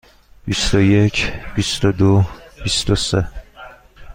بیست و یک، بیست و دو، بیست و سه.